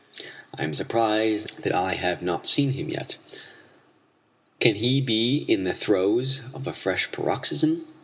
I am surprised that I have not seen him yet. Can he be in the throes of a fresh paroxysm?